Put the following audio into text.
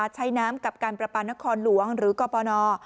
ใช้น้ำกับการประปานครหลวงหรือกปน